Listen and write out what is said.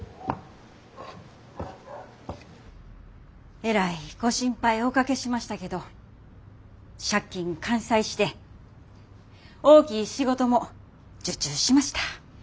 えらいご心配おかけしましたけど借金完済して大きい仕事も受注しました。